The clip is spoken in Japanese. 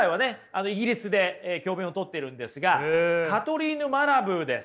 イギリスで教べんをとってるんですがカトリーヌ・マラブーです。